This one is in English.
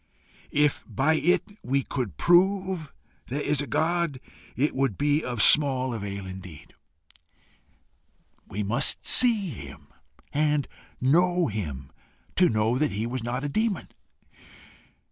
If by it we could prove there is a God, it would be of small avail indeed: we must see him and know him, to know that he was not a demon.